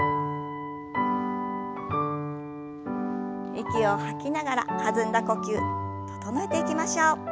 息を吐きながら弾んだ呼吸整えていきましょう。